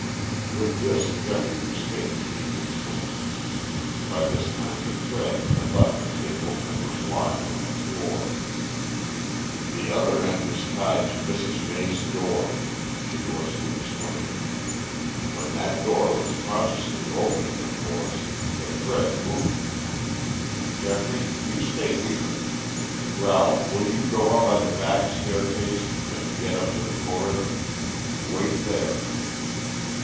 With this Geoffrey was fain to be content. By this time the thread had left the table, and was lying on the floor. "The other end is tied to Mrs. May's door," Tchigorsky explained. "When that door was cautiously opened, of course, the thread moved. Geoffrey, you stay here. Ralph, will you go up by the back staircase and get up to the corridor. Wait there."